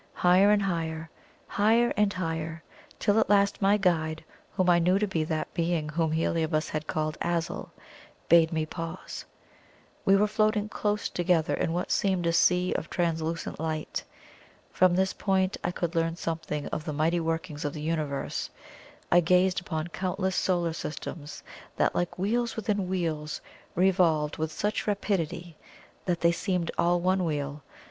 Higher and higher higher and higher till at last my guide, whom I knew to be that being whom Heliobas had called Azul, bade me pause. We were floating close together in what seemed a sea of translucent light. From this point I could learn something of the mighty workings of the Universe. I gazed upon countless solar systems, that like wheels within wheels revolved with such rapidity that they seemed all one wheel.